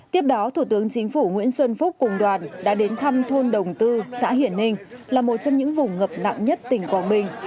tiếp đó thủ tướng chính phủ nguyễn xuân phúc cùng đoàn đã đến thăm thôn đồng tư xã hiển ninh là một trong những vùng ngập nặng nhất tỉnh quảng bình